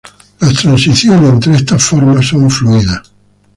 Las transiciones entre estas formas son fluidas.